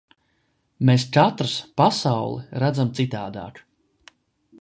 Mēs katrs pasauli redzam citādāk.